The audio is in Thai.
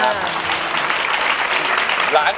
ร้องได้ให้ร้าง